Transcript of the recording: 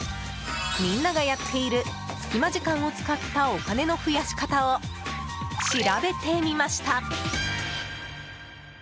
みんながやっている隙間時間を使ったお金の増やし方を調べてみました。